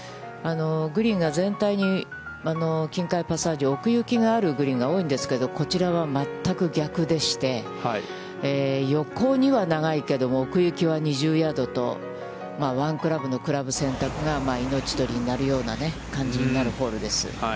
グリーンが全体に琴海パサージュ、奥行きのあるグリーンが多いんですけど、こちらは、全く逆でして、横には長いけども、奥行きは２０ヤードと、１クラブのクラブ選択が命取りになるような感じになるホールです。